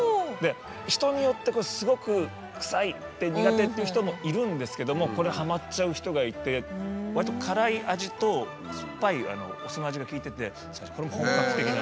人によってすごく臭い苦手という人もいるんですけどもこれはまっちゃう人がいてわりと辛い味と酸っぱいお酢の味がきいててこれも本格的な。